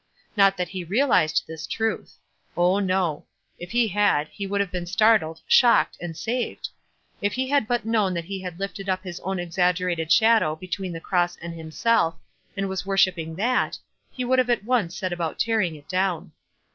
Not that he realized this truth. Oh, no. If he had, he would have been startled, shocked, and saved. If ho had but known that he had lifted up his own exag gerated shadow between the cross and himself, and was worshiping that, he would have at once WISE AXD OTHERWISE. 21 set about tearing it clown.